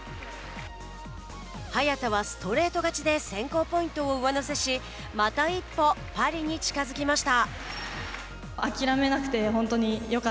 早田はストレート勝ちで選考ポイントを上乗せしまた一歩パリに近づきました。